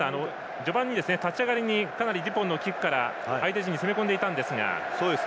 序盤に立ち上がりにかなりデュポンのキックから相手陣に攻め込んでいったんですが。